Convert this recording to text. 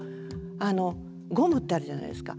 ゴムってあるじゃないですか。